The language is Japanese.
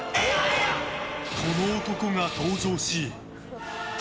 この男が登場し。